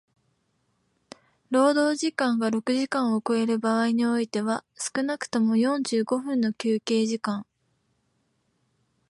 労働時間が六時間を超える場合においては少くとも四十五分の休憩時間